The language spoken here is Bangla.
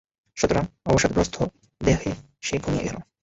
সুতরাং অবসাদগ্রস্ত দেহে সে ঘুমিয়ে গেল।